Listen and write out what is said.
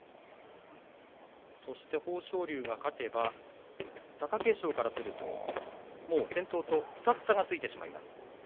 そして豊昇龍が勝てば貴景勝からすると先頭から２つ差がついています。